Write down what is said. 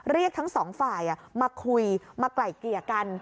เรียกทั้งสองฝ่ายมาคุยมาไกล่เกลี่ยกัน